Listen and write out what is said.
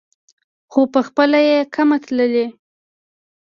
خو پخپله یې کمه تلي.